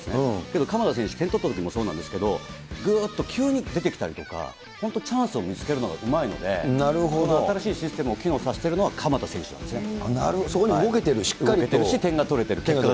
けど、鎌田選手、点とったときもそうなんですけれども、ぐーっと急に出てきたりとか、本当チャンスを見つけるのがうまいので、この新しいシステムを機能させているのは鎌田選手なんですよね。